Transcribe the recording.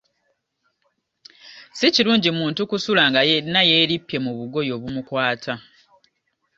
Si kirungi muntu kusula nga yenna yeerippye mu bugoye obumukwata.